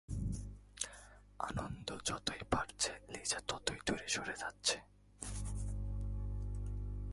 আনন্দ যতই বাড়ছে, লিজা ততই দূরে সরে যাচ্ছে।